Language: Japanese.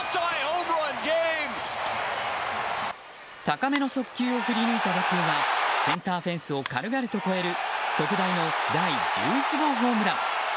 高めの速球を振り抜いた打球はセンターフェンスを軽々と越える特大の第１１号ホームラン。